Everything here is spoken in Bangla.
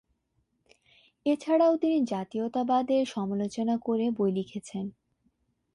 এছাড়াও তিনি জাতীয়তাবাদের সমালোচনা করে বই লিখেছেন।